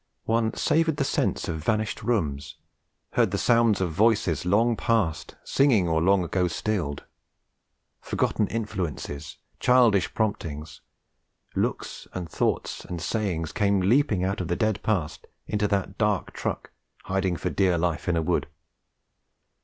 One savoured the scents of vanished rooms, heard the sound of voices long past singing or long ago stilled; forgotten influences, childish promptings, looks and thoughts and sayings, came leaping out of the dead past into that dark truck hiding for dear life in a wood.